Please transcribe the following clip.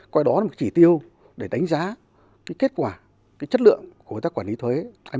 coi đó là một chỉ tiêu để đánh giá kết quả chất lượng của công tác quản lý thuế